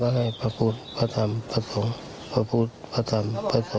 ใครให้แก้ครับใครบอกให้แก้